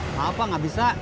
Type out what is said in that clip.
maaf pak gak bisa